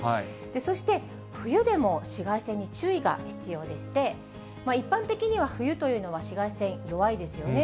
そして、冬でも紫外線に注意が必要でして、一般的には冬というのは紫外線、弱いですよね。